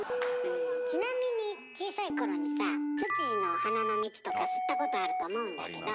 ちなみに小さい頃にさツツジの花の蜜とか吸ったことあると思うんだけど。